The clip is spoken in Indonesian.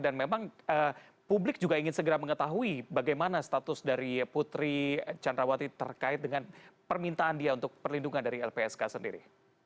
dan memang publik juga ingin segera mengetahui bagaimana status dari putri candrawati terkait dengan permintaan dia untuk perlindungan dari lpsk sendiri